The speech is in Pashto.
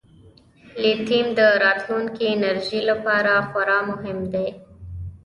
لیتیم د راتلونکي انرژۍ لپاره خورا مهم دی.